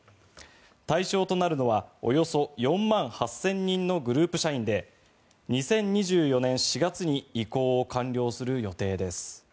対象となるのはおよそ４万８０００人のグループ社員で２０２４年４月に移行を完了する予定です。